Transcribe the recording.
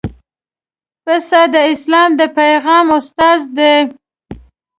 پسه د اسلام د پیغام استازی دی.